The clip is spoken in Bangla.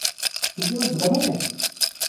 সে কি আমার দুলাভাই নাকি?